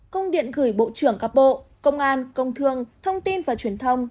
công điện gửi bộ trưởng các bộ công an công thương thông tin và truyền thông